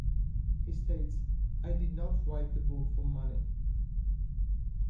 He states, I did not write the book for money...